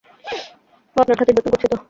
ও আপনার খাতির-যত্ন করছে তো?